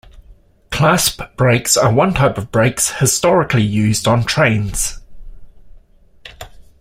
Clasp brakes are one type of brakes historically used on trains.